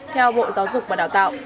theo bộ giáo dục và đào tạo